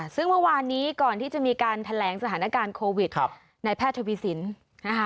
ซึ่งเมื่อวานนี้ก่อนที่จะมีการแถลงสถานการณ์โควิดในแพทย์ทวีสินนะคะ